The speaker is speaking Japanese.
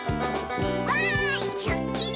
「わーいすーっきり」